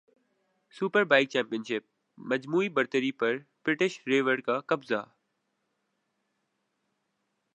superbike championship مجموعی برتری پر برٹش رائیور کاقبضہ